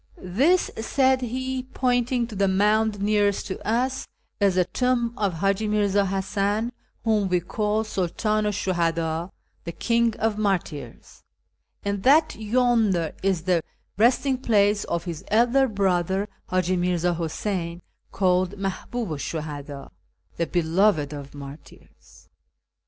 " This," said he, pointing to the mound nearest to us, " is the tomb of Hiiji Mi'rza Hasan, whom we call Sidtdnu 'sh Shuhadd, ' the King of Martyrs,' and that yonder is the resting place of his elder brother, Hi'iji Mirzji Huseyn, called Malihuhu 'sh SImhadd, ' the Beloved of Martyrs.'